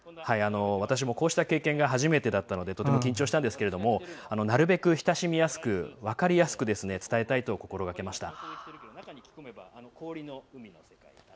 私もこうした経験が初めてでとても緊張したんですけどなるべく親しみやすく分かりやすく伝えたいと心がけました。